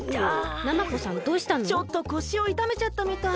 ちょっとこしをいためちゃったみたい。